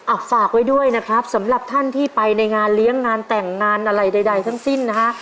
ฝากไว้ด้วยนะครับสำหรับท่านที่ไปในงานเลี้ยงงานแต่งงานอะไรใดทั้งสิ้นนะฮะ